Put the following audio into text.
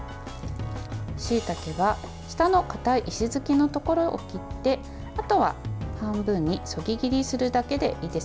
しいたけは、下の硬い石突きのところを切ってあとは、半分にそぎ切りするだけでいいです。